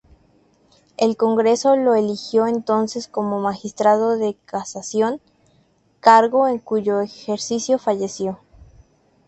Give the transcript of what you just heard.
El Congreso lo eligió entonces como Magistrado de Casación, cargo en cuyo ejercicio falleció.